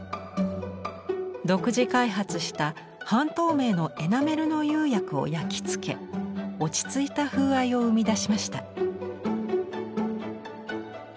独自開発した半透明のエナメルの釉薬を焼き付け落ち着いた風合いを生み出しました。